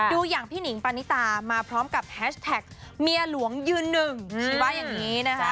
อย่างพี่หนิงปานิตามาพร้อมกับแฮชแท็กเมียหลวงยืนหนึ่งที่ว่าอย่างนี้นะคะ